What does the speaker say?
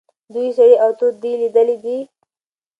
دوی سړې او تودې لیدلي دي.